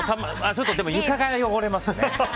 でも床が汚れますね。